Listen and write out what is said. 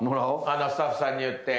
スタッフさんに言って。